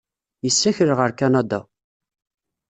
Yessakel ɣer Kanada.